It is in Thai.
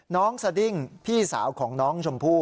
สดิ้งพี่สาวของน้องชมพู่